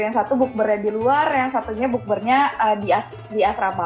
yang satu bukbernya di luar yang satunya bukbernya di asrama